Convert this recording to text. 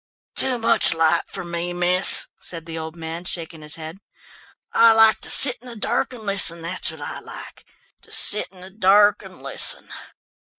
"Too much light for me, miss," said the old man, shaking his head. "I like to sit in the dark and listen, that's what I like, to sit in the dark and listen."